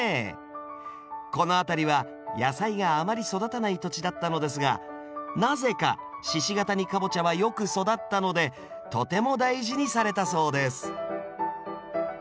この辺りは野菜があまり育たない土地だったのですがなぜか鹿ケ谷かぼちゃはよく育ったのでとても大事にされたそうです